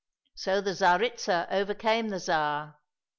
So the Tsaritsa overcame the Tsar.